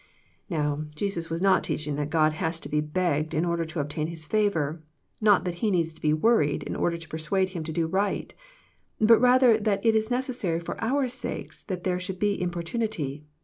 Now Jesus was not teaching that God has to be begged in order to obtain His favour, not that He needs to be worried in order to persuade Him to do right, but rather that it is necessary for our sakes that there should be importunity.